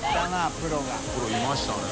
プロいましたね。